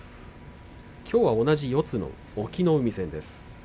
きょうは同じ四つの隠岐の海戦です。